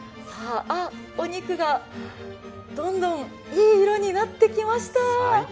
お肉が、どんどんいい色になってきました。